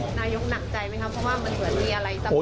นายกหนักใจไหมครับเพราะว่ามันเหมือนมีอะไรซ้ำ